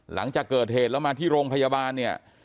หลังจากเกิดเหตุแล้วมาที่โรงพยาบาลเนี่ย